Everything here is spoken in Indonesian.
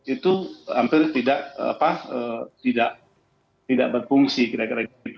itu hampir tidak berfungsi kira kira